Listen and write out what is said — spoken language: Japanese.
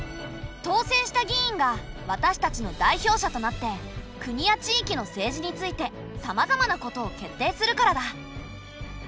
当選した議員が私たちの代表者となって国や地域の政治についてさまざまなことを決定するからだ。